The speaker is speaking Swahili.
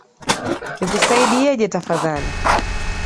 Nikusaidieje tafadhali?